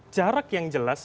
jarak yang jelas